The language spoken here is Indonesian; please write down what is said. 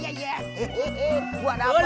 saya juga dapet